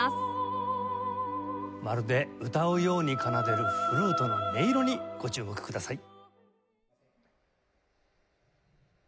まるで歌うように奏でるフルートの音色にご注目ください。